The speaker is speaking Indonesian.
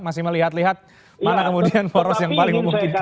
masih melihat lihat mana kemudian poros yang paling memungkinkan